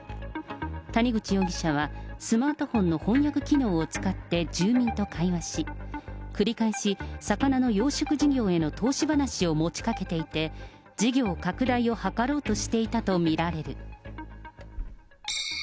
谷口容疑者はスマートフォンの翻訳機能を使って住民と会話し、繰り返し、魚の養殖事業への投資話を持ちかけていて、事業拡大を図ろうとしていたと見られる。